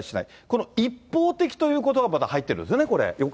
この一方的ということばが、また入ってるんですね、これ。